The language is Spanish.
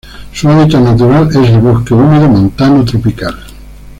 Su hábitat natural es el bosque húmedo montano tropical.